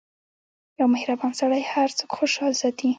• یو مهربان سړی هر څوک خوشحال ساتي.